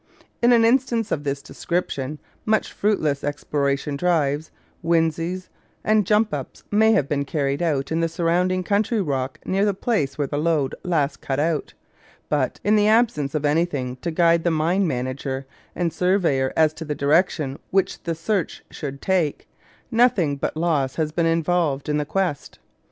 In an instance of this description much fruitless exploration drives, winzes and "jump ups" may have been carried out in the surrounding country rock near the place where the lode last "cut out"; but, in the absence of anything to guide the mine manager and surveyor as to the direction which the search should take, nothing but loss has been involved in the quest.